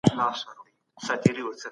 تاسي کله د پښتو معيار په اړه بحث کړی دی؟